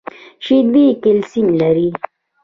شیدې کلسیم لري